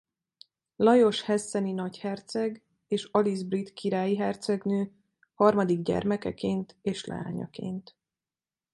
Lajos hesseni nagyherceg és Aliz brit királyi hercegnő harmadik gyermekeként és leányaként.